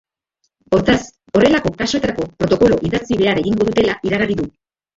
Hortaz, horrelako kasuetarako protokolo idatzi behar egingo dutela iragarri du.